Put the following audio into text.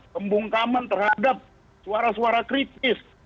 pembungkaman terhadap suara suara kritis